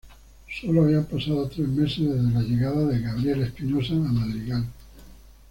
Sólo habían pasado tres meses desde la llegada de Gabriel Espinosa a Madrigal.